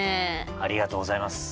ありがとうございます。